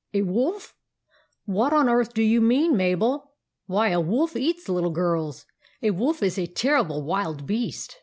" A wolf ? What on earth do you mean, Mabel ! Why, a wolf eats little girls ! A wolf is a terrible wild beast